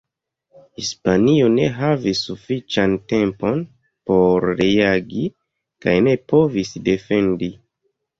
Hispanio ne havis sufiĉan tempon por reagi, kaj ne povis defendi.